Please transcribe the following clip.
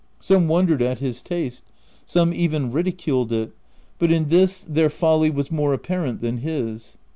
Some wondered at his taste ; some even ridiculed it —but in this their folly was more apparent than his.